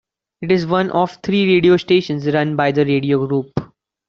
It is one of three radio stations run by the radio group.